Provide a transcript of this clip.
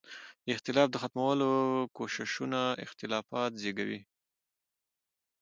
د اختلاف د ختمولو کوششونه اختلافات زېږوي.